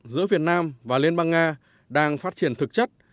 giữa việt nam và liên bang nga đang phát triển thực chất